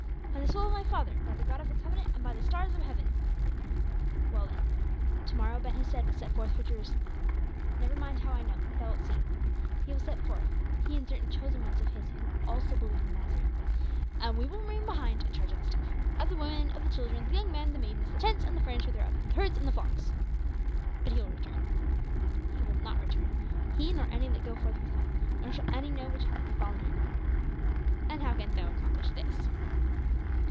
"By the soul of my father; by the God of the Covenant, and by the stars of heaven." "Well then, to morrow Ben Hesed will set forth for Jerusalem never mind how I know, thou wilt see he will set forth, he and certain chosen ones of his who also believe on the Nazarene; and we will remain behind in charge of the stuff of the women, of the children, the young men, the maidens, the tents and the furniture thereof, the herds and the flocks." "But he will return." "He will not return, he nor any that go forth with him, nor shall any know what hath befallen him." "And how canst thou accomplish this?"